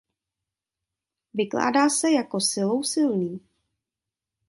Vykládá se jako „silou silný“.